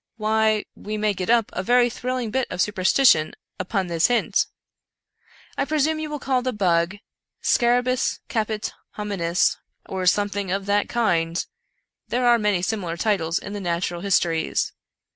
Why, we may get up a very thrilling bit of superstition upon this hint. I presume you will call the bug Scarabceus caput hominis, or something of that kind — ^there are many similar titles in the Natural Histories.